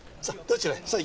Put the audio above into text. さあどちらへ？